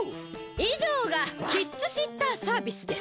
いじょうがキッズシッターサービスです。